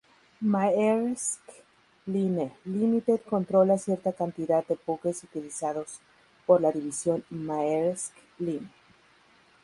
Maersk Line, Limited controla cierta cantidad de buques utilizados por la división Maersk Line.